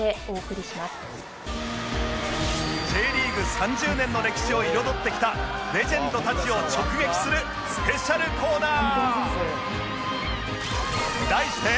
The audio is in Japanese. ３０年の歴史を彩ってきたレジェンドたちを直撃するスペシャルコーナー